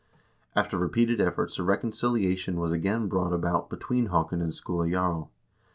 After repeated efforts a reconciliation was again brought about between Haakon and Skule Jarl.